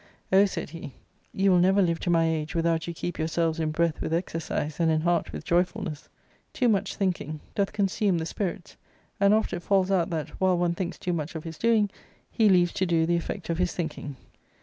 "Oh," said he, " you will never •^ live to my age without you keep yourselves in breath with exercise, and in heart with joyfulness. Too much thinking ' doth consume the spirits ; and oft it falls out that, while one '^ thinks too much of his doing, he leaves to do the effect of his thinking."